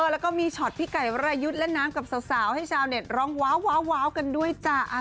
แล้วก็มีช็อตพี่ไก่วรายุทธ์เล่นน้ำกับสาวให้ชาวเน็ตร้องว้าวกันด้วยจ้ะ